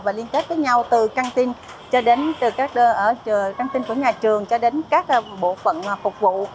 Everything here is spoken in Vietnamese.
và liên kết với nhau từ căn tin của nhà trường cho đến các bộ phận phục vụ